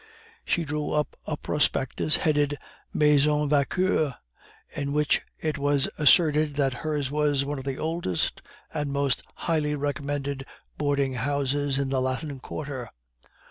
She drew up a prospectus headed MAISON VAUQUER, in which it was asserted that hers was "one of the oldest and most highly recommended boarding houses in the Latin Quarter."